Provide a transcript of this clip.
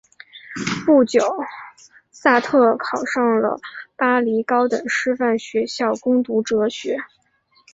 不久萨特考上了巴黎高等师范学校攻读哲学。